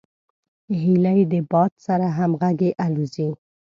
هیلۍ د باد سره همغږي الوزي